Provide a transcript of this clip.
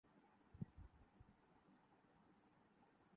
international champions football cup Real Madrid نے روما کو شکست دیدی